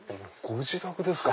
ご自宅ですか！